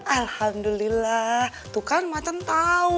alhamdulillah tuh kan macan tahu